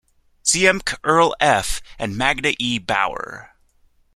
Ziemke, Earl F. and Magna E. Bauer.